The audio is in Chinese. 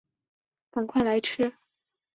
赶快来吃